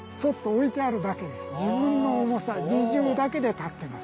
自分の重さ自重だけで立ってます。